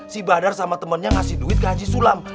si badar sama temennya ngasih duit ke haji sulam